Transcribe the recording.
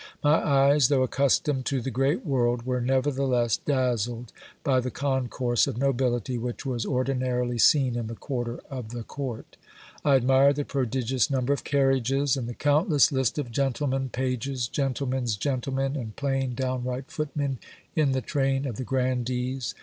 My eyes, though accustomed to the great world, were nevertheless dazzled by the concourse of nobility which was ordinarily seen in the quarter of the court I admired the prodigious number of carriages, and the countless list of gentlemen, pages, gentle men's gentlemen, and plain, downright footmen in the train of the grandees.